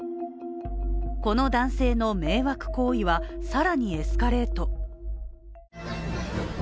この男性の迷惑行為は更にエスカレート。